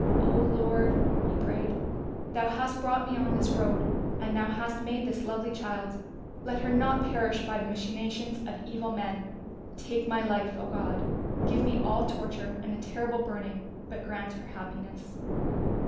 "O Lord," he prayed, "Thou hast brought me on this road and Thou hast made this lovely child; let her not perish by the machinations of evil men. Take my life, O God, give me all torture and the terrible burning, but grant her happiness."